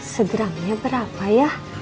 segramnya berapa ya